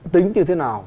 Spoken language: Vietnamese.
tính như thế nào